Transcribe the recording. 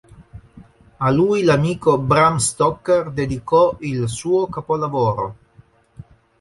A lui l'amico Bram Stoker dedicò il suo capolavoro.